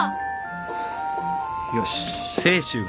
よし。